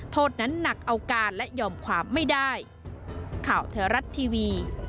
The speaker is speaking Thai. โทษนั้นหนักเอาการและยอมความไม่ได้